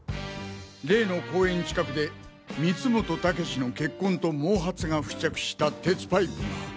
例の公園近くで光本猛志の血痕と毛髪が付着した鉄パイプが。